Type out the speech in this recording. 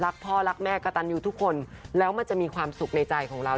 พ่อรักแม่กระตันยูทุกคนแล้วมันจะมีความสุขในใจของเรา